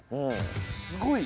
すごいよ。